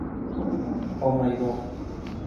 Oh My G!